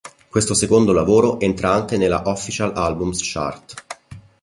Questo secondo lavoro entra anche nella Official Albums Chart.